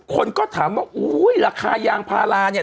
คนก็ถามว่าอุ้ยราคายางพาราเนี่ย